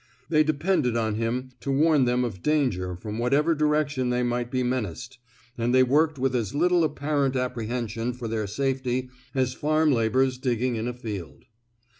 They depended on him to warn them of danger from what ever direction they might be menaced, and they worked with as little apparent appre hension for their safety as farm laborers digging in a field.